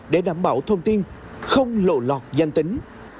để đảm bảo thông tin không lộ lọt danh tính